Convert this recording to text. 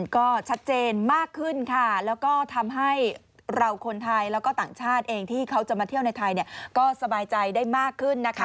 ก็ชัดเจนมากขึ้นค่ะแล้วก็ทำให้เราคนไทยแล้วก็ต่างชาติเองที่เขาจะมาเที่ยวในไทยก็สบายใจได้มากขึ้นนะคะ